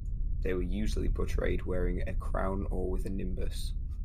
They were usually portrayed wearing a crown or with a nimbus.